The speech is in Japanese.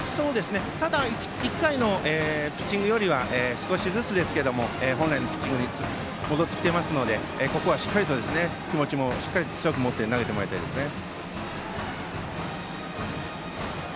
ただ１回のピッチングよりは少しずつですが本来のピッチングに戻ってきていますので、ここはしっかり気持ちも強く持って投げてもらいたいですね。